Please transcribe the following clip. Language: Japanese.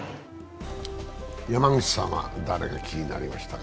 山口さんは誰が気になりましたか？